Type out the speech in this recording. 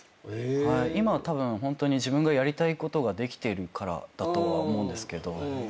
今たぶんホントに自分がやりたいことができてるからだとは思うんですけど。